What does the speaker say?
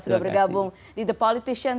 sudah bergabung di the politician